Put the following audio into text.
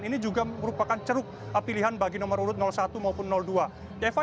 dan ini juga merupakan calon yang lebih berpengaruh